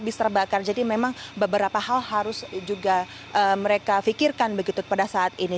bis terbakar jadi memang beberapa hal harus juga mereka pikirkan begitu pada saat ini